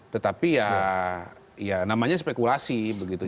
tetapi ya ya namanya spekulasi begitu